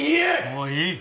もういい！